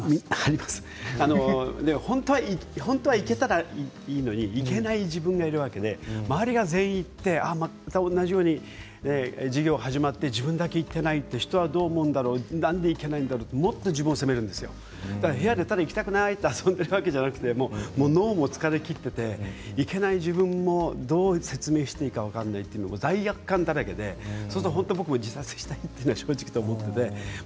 本当は行けたらいいのに行けない自分がいますので周りは全員行っていて同じように授業が始まって自分だけ行っていない他の人はどう思っているんだろうと思った時に部屋で行きたくないと遊んでいるわけではなくて脳みそも疲れ切ってしまって行けない自分をどう説明していいか分からない罪悪感だらけで僕は自殺したいということは正直思っていました。